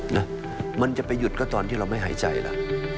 นะมันจะไปหยุดก็ตอนที่เราไม่หายใจแล้ว